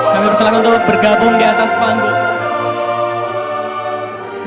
kami persilahkan untuk bergabung di atas panggung